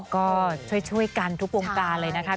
ก็ช่วยกันทุกวงการเลยนะคะ